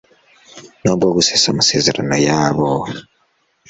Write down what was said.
nubwo gusesa amasezeranoyabo